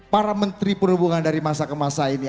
para menteri perhubungan dari masa ke masa ini